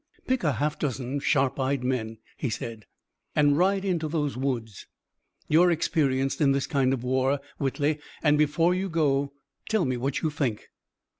"Pick a half dozen sharp eyed men," he said, "and ride into those woods. You're experienced in this kind of war, Whitley, and before you go tell me what you think."